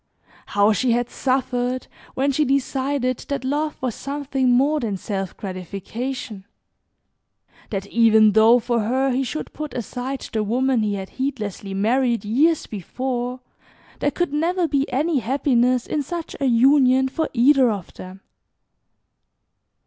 How she had suffered when she decided that love was something more than self gratification, that even though for her he should put aside the woman he had heedlessly married years before, there could never be any happiness in such a union for either of them.